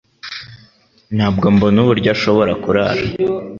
Ntabwo mbona uburyo ashobora kurara